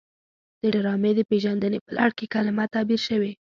د ډرامې د پیژندنې په لړ کې کلمه تعبیر شوې.